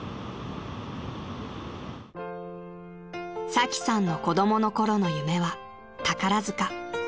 ［サキさんの子供の頃の夢は宝塚］